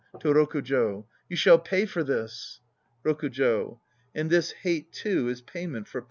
(To ROKUJO.) You shall pay for this! ROKUJO. And this hate too is payment for past hate.